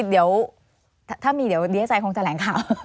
เดี๋ยวถ้ามีเดี๋ยวดีเอไซดคงแถลงข่าว